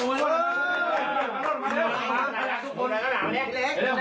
รอดทิ้งหมดหมดเชื่อผม